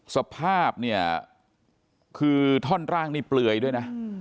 สภาพเนี่ยคือท่อนร่างนี่เปลือยด้วยนะ